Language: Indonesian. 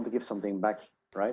bagi pekerja yang berkesehatan